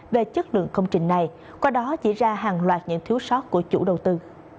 về chất lượng công trình này qua đó chỉ ra hàng loạt những thiếu sót của chủ đầu tư